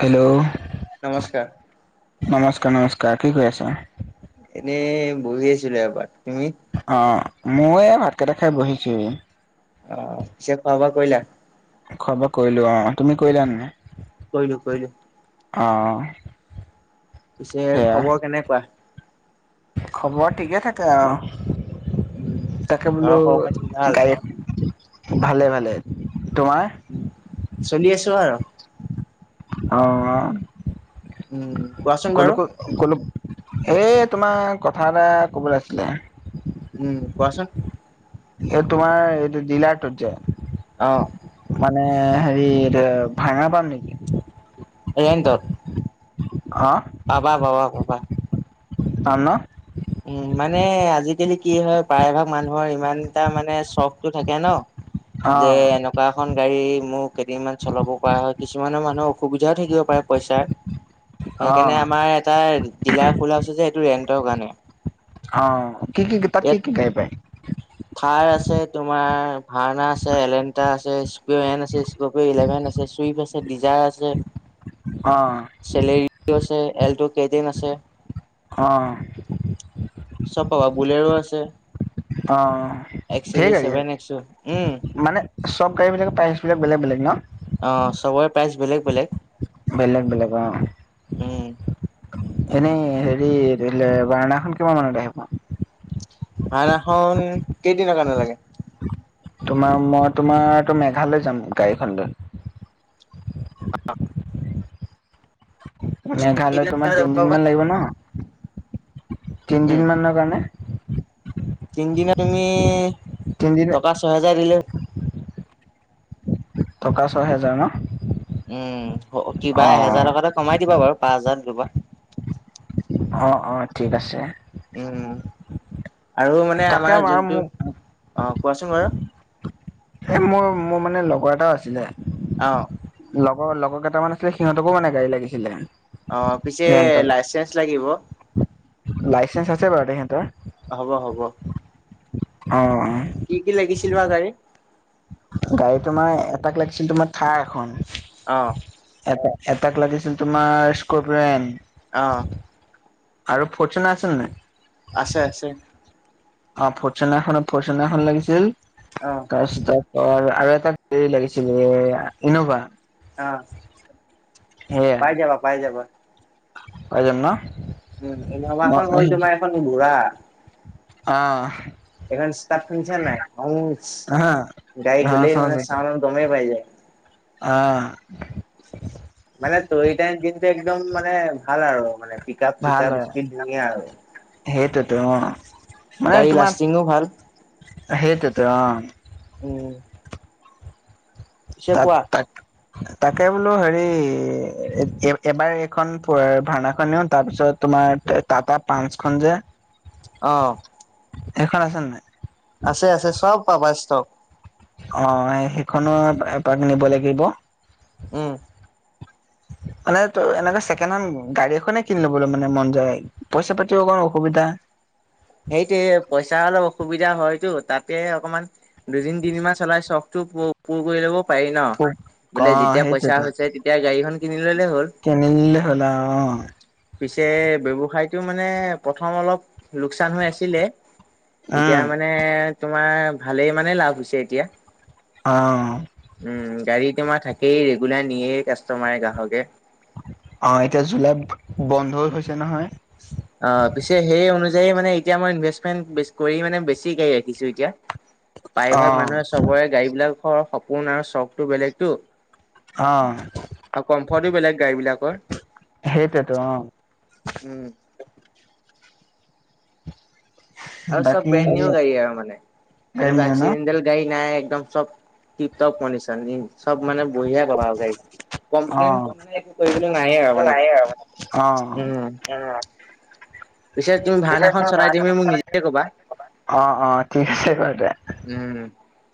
Hello নমস্কাৰ নমস্কাৰ নমস্কাৰ কি কৰি আছ? এনে ভগি আছিলে পাট অ', মই ভাতকেইটা খাই বহিছোেই অ', পে খাবা কলা খোৱা বোৱা কৰিলো অ তুমি কৰিলা ন নে কৈ নো কৈ নো অ', পিছে সেয়া খবৰ কেনেকুৱা খবৰ ঠিকে থাকে উম আৰু তাকে বোলো ঘৰৰ খবৰ খাতি ভাল গাড়ী এখন ভালে ভালে তোমাৰ? উ চলি আছো আৰু অ', উম কোৱাচোন বাৰু এ তোমাৰ কথা এটা কবলৈ আছিলে উম কোৱাচোন এই তোমাৰ এইটো জিলাটোত যে অহ মানে হেৰি এ ভাঙা পাম নেকি এন ত পাবা পাবা পাবা ত ন উম মানে আজিকালি কি হয়। প্ৰায়ভাগ মানুহৰ ইমান এটা মানে চখটো থাকে ন যে অ' এনেকুৱা এখন গাড়ী মোৰ কেইদিনমান চলাব পৰা হয়। কিছুমানৰ মানুহৰ অসুবিধাও থাকিব পাৰে পইচাৰ অ' সেইকাৰণে আমাৰ এটা জিলাৰ ফুল হাউচ যে এইটো ৰেন্টৰ কাৰণে অ', কি কি তাত কি ইয়াত কি গাই প থাৰ আছে। তোমাৰ ভওনা আছে। এলেণ্টা আছে। কপিঅ' এন আছে। স্কপিঅ ইলেভেন আছে। চুইফ্ট আছে। ডিজাৰ আছে। অ' চলেৰি পছে। অ', চব পাবা বোলেৰো আছে। অ এক্স ইউ সে ভি আ ছেভেন এক্স ইউ উম মানে চব গাড়ী বিলাক প্ৰাইচ বিলাক বেলেগ বেলেগ ন বোলেগ বেলেগ বেলেগ উম', এনেই হেৰি বাৰণাখন কিমান মানলৈ আহিবা মখনন কেইদিন কাৰণ লাগে। তোমাৰ মই তোমাৰটো মেঘালয় যাম গাড়ীখন লৈ মেঘালয় তোমাৰ তিনিদিন মমান লাগিব ন তিনিদিন মানৰ কাৰণে তিনিদিনা তুমি তিনদিন টকা ছহেজাৰ দিলে। টকা ছয় হেজাৰ ন উম, কিবা অ এহেজাৰ টকা এটা কমাই দিবা বাৰু পাঁচ হাজাৰ দিবা। অ', অ', ঠিক আছে। উম, আৰু মানে তাকে আমাৰ আৰু যোনটো মোক অ, কোৱাচোন বাৰু। এ মো-মোৰ মানে লগৰ এটাও আছিলে। অ'। লগৰ-লগৰ কেইটামান আছিলে সিহঁতকো মানে গাড়ী লাগিছিলে। অ', পিছে লাইচেন্ঞ্চ লাগিব। লাইচেন্ঞ্চ আছে বাৰু তেখেতৰ। হ'ব হ'ব। অ'। কি কি লাগিছিল বা গাড়ী? গাড়ী তোমাৰ এটাক লাগিছিল তোমাৰ থাৰ এখন অহ, এটাক লাগিছিল তোমাৰ স্কেন অহ, আৰু ফচনে আছে নাই? আছে আছে অ ফৰচোনা এ ফৰচনে এখন লাগিছিল অ তাৰপিছত অ', আৰু এটা হেৰি লাগিছিলে এ ইন'ভা অ', পাই যাবা পাই যাবা পাই জাম ন? উম মই ইন'ভাখনন হ'ল তোমাৰ এখন বুঢ়া অ', এখন ষ্টাৰ্ট খুনিচনে হা নাই গাই গলে মানে চাউণ্ড ত গমে পাই যায়। আহ, মানে, তৰি টাইম দিনটো একদম মানে ভাল আৰু মানে ভাল পিকাৰত-চিকাৰত হয় স্পীন বঢ়িয়া আৰু। সেইটোতো অ', মানে গাড়ী তোমাৰ লাষ্টিঙো ভাল সেইটোতো অ'। উম, পিছে তাত কোৱা তাক তাকে বোলো হেৰি, এবাৰ এখন ভাওনাখন নিওঁ তাৰপিছত টাটা পাঞ্চখন যে অ', এখন আছে নাই? আছে আছে চব পাবা ষ্টক। অ', সেইখনো এপাক নিব লাগিব। উম, মানে, ত এনেক ছেকেণ্ড হেণ্ড গাড়ী এনে কিন লবলৈ মানে মন যায় পইচা পাতিও অকমান অসুবিধা [unintelligible] সেইটোয়ে পইচাৰ অলপ অসুবিধা হয়তটো তাতে অকমান দুদিন তিনিমান চলাই চখো টো পুৰ কৰি ল'ব পাৰি ন অ বোলে যেতিয়া পইচা হৈছে তেতিয়া গাড়ীখন কিনি ললে হ'ল। কেনিলিলে হ'ল অ', পিছে ব্যৱসায়টো মানে প্ৰথম অলপ লোকচান হৈ আছিলে উম এতিয়া মানে তোমাৰ ভালেই মানে লাভ হৈছে এতিয়া। অ', উম গাড়ী তোমাৰ থাকেই ৰেগুলাৰ নিয়েই কাষ্টমাৰে গ্ৰাহকে। আহ এতিয়া জুলাই বন্ধ হৈছে নহয়। অ', পিছে সেই অনুযায়ী মানে এতিয়া মই ইনভেষ্টমেণ্ট কৰি মানে বেছিকা ৰাখিছো এতিয়া। অ প্ৰায়ভাগ মানুহে চবৰে গাড়ী বিলাকৰ সপোন আৰু চখতো বেলেগতটো। অ আৰু কমফৰ্টটো বেলেগ গাড়ী বিলাকৰ। সেইটটো অ'। উম। আৰু চব বাকী হেৰি ব্ৰেণ্ডনিউ গাড়ী আৰু মানে ব্ৰেণ্ড এনেকুৱা নিউ ন এক্সিডেণ্টেল গাড়ী নাই একদম চব টপ টপ মনে ছাইনিং। চব মানে বঢ়িয়া কবা আৰু গ অ কমপ্লেইন মানে একো কৰিবলৈ নায়ে আৰু মানে। উম। অ' উম। পিছে তুমি ভাওনাখন চলাই তুমি মোক নিজে ক'বা। অ', অ', ঠিক আছে বাৰু দে উম।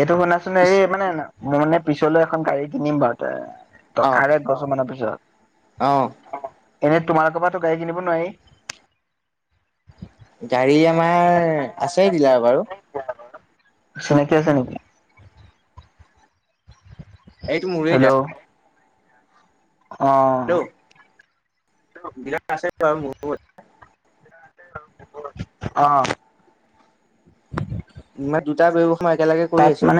এইটো শুনাচোন হেৰি মানে মই মানে পিছলৈ এখন গাড়ী কিনিম বাৰু তে ত অ', আৰু এক বছৰ মানৰ অ', পিছত। এনেই তোমালোকৰ পৰাতো গাড়ী কিনিব নোৱাৰি। গাড়ী আমাৰ আছে দিলাৰ বাৰু। চিনাকি আছে নেকি? এইটো মোৰে। হেল্ল' [unintelligible] অ'। [unintelligible] অ'। ইয়াত দুটা ব্যৱসায় একেলগে তাত কৰি আছো।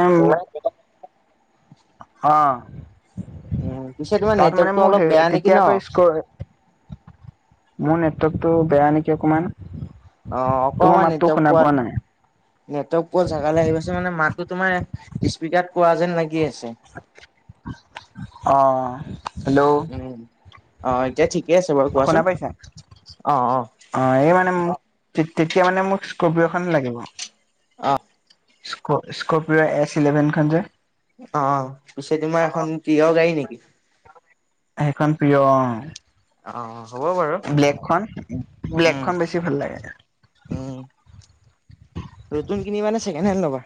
হ। উম, পিছে তোমাৰ তাত মানে নেটৱৰ্কটো মোৰ অলপ হে বেয়া নেকি ন? তেতিয়াাকৈ স্কৰ মোৰ নেটৱৰ্কতটো বেয়া নেকি অকমান। অ', অ', তোমাৰ ‍অকমান মাতটো নেটৱৰ্ক শুনা পোৱা নাই না নেটৱৰ্ক পোৱা জাগালে আহি পাইছে মানে মাতো তোমাৰ স্পিকাৰত কোৱা যেন লাগি আছে। আহ'হেল্ল'। উম। অ' এতিয়া ঠিক শুনা পাইছা অ' এই মানে মই তেতিয়া মানে মোক স্কৰপিও খন লাগিব। অ'। স্কৰপিঅ এছ ইলেভেনখন যে। অ' পিছে তোমাৰ এখন প্ৰিয় গাড়ী নেকি? সেইখন প্ৰিয় অ'। অ হ'ব বাৰু। ব্লেকখন উম ব্লেকখন বেছি ভাল লাগে। উম নতুন কিনিবা নে ছেকেণ্ড হেণ্ড ল'বা?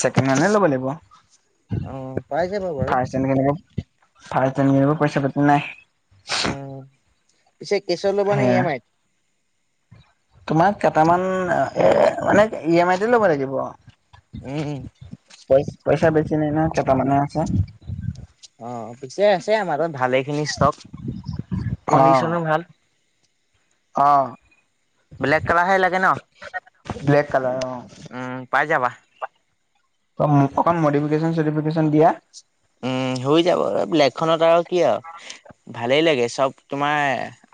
ছেকেণ্ড হেন্ডে ল'ব লাগিব। অ পাই যাবা বাৰু। [unintelligible] পইচা পাতি নাই। উম, পিছে কেছত ল'বা নে ই সেয়া এম আইত? তোমাৰ কেইটামান এ, মানে ই এম আইতে ল'ব লাগিব। উম পই- পইচা বেছি নাই ন'কেইটামানে আছে। অ' পিছে আছে আমাৰত ভালে খিনি ষ্টক কণ্ডিশনো ভাল। অহ। ব্লেক কালাৰহে লাগে ব্লেক কালাৰ অ ন' উম। পাই যাবা। ত মোক অকণ মডিফিকেচন চডিফিকেচন দিয়া। উম। হৈ যাব লেগখনত আৰু কি আৰু ভালেই লাগে চব তোমাৰ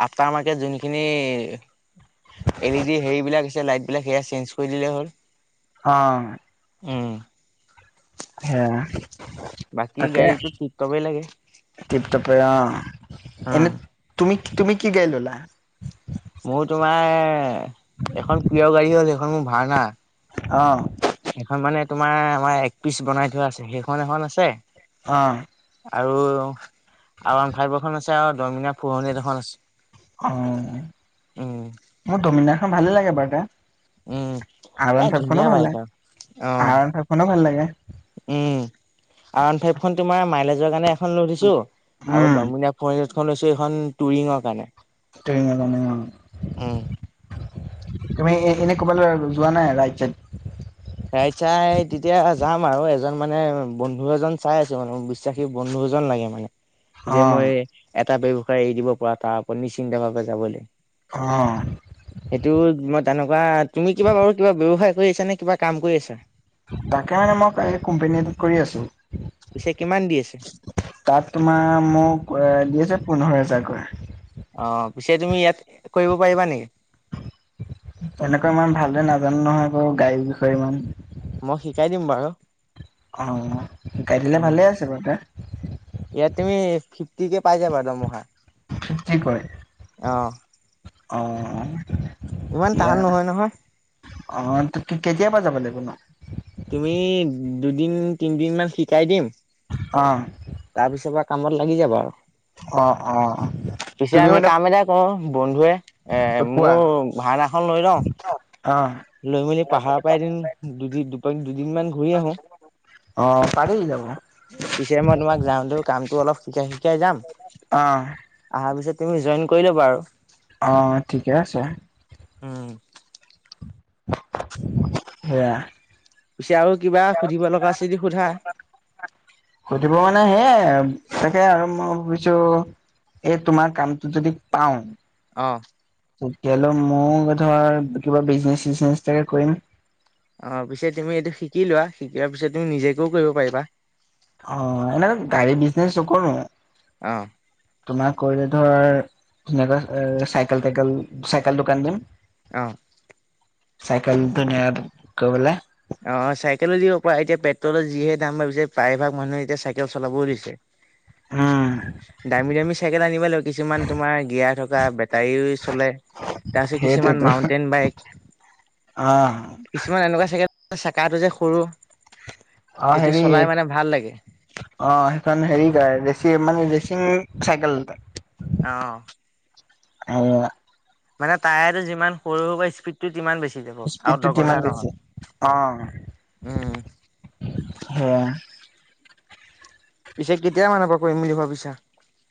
আফটাৰ মাৰ্কেট যোনখিনি এল ই ডি হেৰি বিলাক দিছে লাইটবিলাক সেয়া চেঞ্জ কৰি দিলেই হ'ল। অ'। উম। [unintelligible] তাকে [unintelligible] গাড়ীটো টিপ টপেই লাগে। এনে তুমি-তুমি কি গাইললা? মোৰ তোমাৰ এখন প্ৰিয় গাড়ী হ'ল সেইখন মোৰ ভাঙা। অ। সেইখন মানে তোমাৰ আমাৰ এক পিচ বনাই থোৱা আছে, সেইখন এখন আছে, অ। আৰু আৰ ওৱান ফাইভৰ খন আছে আৰু দমিনাৰ ফৰ হানদ্ৰেদ এখন আছে। অ উম, মোৰ দমিদাৰখন ভালে লাগে বাৰু উম। আৰ এ ওৱান ফাইভখনো ধুনীয়া ভাল বাইক লাগে আৰু। অ, আৰন ফাইভখনো ভাল লাগে উম। আৰ ওৱান ফাইভ খন তোমাৰ মাইলেজৰ কাৰণে এখন লৈ থৈছো আৰু উম দমীনা ফ এইখন লৈছো এইখন টুৰিঙৰ কাৰণে। [unintelligible] উম ক'ৰবালৈ যোৱা নাই ৰাইট-চাইড? ৰাইট চাই তেতিয়া যাম আৰু, এজন মানে বন্ধু এজন চাই আছো মানে বিশ্বাসী বন্ধু এজন লাগে মানে। যে অ মই এটা ব্যৱসায় এৰি দিব পৰা তাৰ ওপৰত নিশ্চিন্ত ভাৱে যাবলে। অ সেইটো মই তেনেকুৱা, তুমি কিবা বাৰু কিবা ব্যৱসায় কৰি আছা নে কিবা কাম কৰি আছা? তাকে মানে মই কাই-কোম্পনীটো কৰি আছো। পিছে কিমান দি আছে তাত তোমাৰ মোক এ দি আছে পোন্ধৰ হোজাৰকৈ। অ পিছে তুমি ইয়াত কৰিব পাৰিবা নেকি? এনেকুৱা ইমান ভালদৰে নাজানো নহয় বাৰু গাডীৰ বিষয়ে ইমান। মই শিকাই দিম বাৰু। অ গাই দিলে উম ভালে আছে বাৰু। ইয়াত তুমি ফিফটি কে পাই যাবা দমহা। ফিফটিকৈ, আহ। য়া অ ইমান ত-কেতিয়াৰ টান নহয় নহয় পৰা যাব লাগিব ন? তুমি দুদিন-তিনদিন মান শিকাই দিম আহ। তাৰ পিছৰ পৰা কামত লাগি যাব আৰু, পিছে তুমি আমি মানে কাম এটা কৰো বন্ধুৱে এ কোৱা মোৰ ভাৰনাখন লৈ লও অ লৈ মেলি পাহাৰৰ পৰা এদিন দুদিন-দুপ-দুদিন মান ঘূৰি আহো। অ পাৰি যাব পিছে মই তোমাক যাওঁতে কামটো অলপ শিকাই শিকাই যাম। অ আহা বছৰ‌ পিছত তুমি জইন কৰি ল'বা আৰু। অ ঠিকে আছে। উম। ইয়া। পিছে আৰু কিবা সুধিব লগা আছে যদি সোধা সুধিব মানে হে তাকে আৰু মই ভাবিছো, এই তোমাৰ কামটো যদি পাও আহ তেতিয়া হ'লে মইও ধৰ কিবা বিজনেচ-চিজনেছ এতাকে কৰিম। অ পিছে তুমি এইটো শিকিলোৱা, শিকিলোৱাৰ পিছত তুমি নিজকেও কৰিব পাৰিবা। অ এনে গাড়ী বিজনেছ [unintelligible] অ তোমাৰ কৰিলে ধৰ ধুনাকৈ চাইকেল-তাইকেল চাইকেল দোকান দিম। আহ। চাইকেলটো [unintelligible] বোলে অ চাইকেলো দিব পাৰ। এতিয়া পেট্ৰলৰ যিহে দাম ভাবিছে প্ৰায়ভাগ মানুহে এতিয়া চাইকেল চলাবও দিছে। উম [inaudible] দামী দামী চাইকেল আনিব লাগিব, কিছুমান তোমাৰ গিয়াৰ থকা বেটাৰী চলে। তাৰপিছত কিছুমান সেইটোৱেতো মাউন্টেইন বাইক। অ কিছুমান এনেকুৱা চে চেকাটো যে সৰু অ', সেইটো হেৰি চলাই অ মানে ভাল লাগে। সেইখনখন হেৰি গ স মানে ৰেচিং চাইকেলতে আহ', আৰু মানে তায়াৰটো যিমান সৰু সৰু বা স্পীডটো কিমান বেছি যাব আৰু স্পীডটো কিমান দগধা বেছি নহয় উম হ পিছে কেতিয়া মানৰ পৰা কৰিম বুলি ভাব পিছা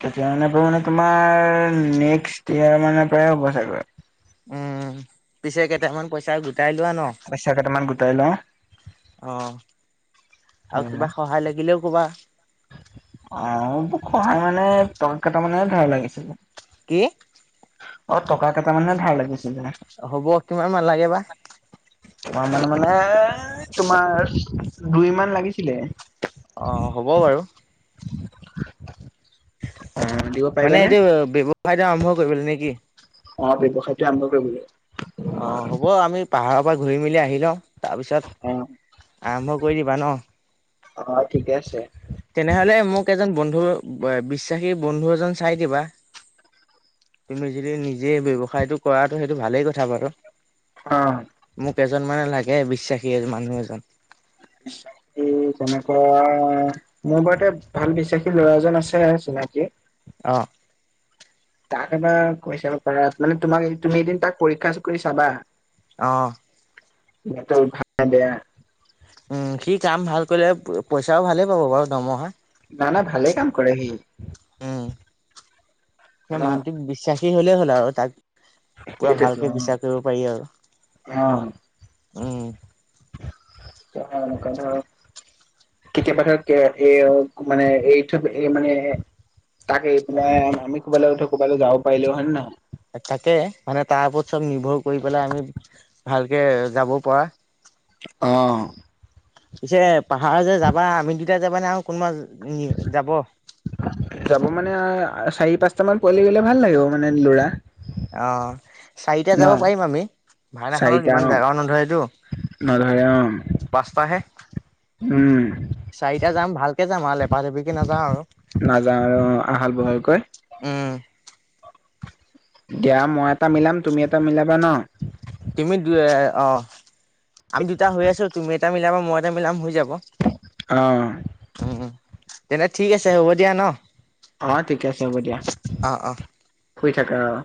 তেতিয়া মানে মে তোমাৰেক্স ইয় মানে প্ৰায় হ'ব চাগৰ উম পিছে কেইটামান পইচা গ কাই লোৱা ন অ', পইচা কেইটামান গোটাই লওঁ। আৰু কিবা সহায় লাগিলেও কবা অ', সহায় মানে টকা কেইটাামানে ধাৰ লাগিছিলে। কি অ', টকা কেইট মানে ধ ভাৰ লাগিছে। হ'ব কিমান মান লাগে বা তোমাৰ মানে মানে তোমাৰ দুই মান লাগিছিলে। অ হ'ব বাৰু [inaudible] মানে পাৰিবানে? এইটো ব্যৱসায়টো আৰম্ভ কৰিব নেকি অ', ব্যৱসায়টো আৰম্ভ কৰিবাগ অ', হ'ব আমি পাহাৰৰ পৰা ঘূৰি মেলি আহি লওঁ। অ' তাৰপিছত আৰম্ভ কৰি দিবা ন? অ' ঠিকে আছে। তেনেহলে মোক এজন বন্ধু বিশ্বাসী বন্ধু এজন চাই দিবা। তুমি যদি নিজে ব্যৱসায়টো কৰা। সেইটো ভালেই কথা বাৰু, অ' মোক এজন মানে লাগে। বিশ্বাসী এ মানুহ এজন। বিশ্বাসী তেনেকুৱা, মোৰ বাৰুতে ভাল বিশ্বাসী ল'ৰা এজন আছে। তাকে, অ', তাক এবাৰ কৈ চাব পাৰা। মানে তোমাক তুমি এদিন তাক পৰীক্ষা কৰি চাবা। অ', সিহঁতৰ ভাত তা দিয়া। উম' সি কাম ভাল কৰিলে পইচাও ভালেই পাব বাৰু দৰমহা। না না ভালে কাম কৰে সি, উম। সেই মানে মানহটোক বিশ্বাসী হলেই হ'ল। আৰু তাক, পুৰা সেইটোতো ভালকে বিশ্বাস অ কৰিব পাৰি। আৰু উম' অক ধৰ [inaudible] কেতিয়াবা ধৰক এ মানে এৰি থৈ এই মানে তাক এৰি পিনে আমি কোবালৈ উঠো ক'ৰবালৈ যাব পাৰিলো হয়। হয় নহয়? তাকে মানে তাৰ ওপৰত চব নিৰ্ভৰ কৰি পেলাই। আমি ভালকে যাব পৰা। অহ', পিছে পাহাৰ যে যাবা আমি দুটাই যাবা নে আৰু কোনোবা যাব? যাব মানে চাৰি পাঁচটা মান পোৱালি গ'লে ভাল লাগিব। মানে ল'ৰা, অ', চাৰিটা ন যাব পাৰিম আমি, ভান এখনত চাৰিটা ইমান অ জাগাও নধৰেটো। নধৰে অ পাঁচটাহে? উম চাৰিটা যাম ভালকে যাম আৰু লেপাহ লেপিকে নাযাওঁ আৰু নাযাওঁ আৰু আহল- বহলকৈ, উম' দিয়া মই এটা মিলাম, তুমি এটা মিলাবা ন? তুমি দুই অ', আমি দুটা হৈ আছোঁ। তুমি এটা মিলাবা, মই এটা মিলাম হৈ যাব। অ', তেনে ঠিক আছে হ'ব দিয়া ন? অ ঠিকে আছে হ'ব দিয়া। অ', অ'। শুই থাকা অ',